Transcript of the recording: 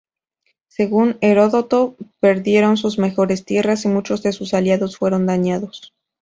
Según Heródoto, perdieron sus mejores tierras y muchos de sus aliados fueron dañados.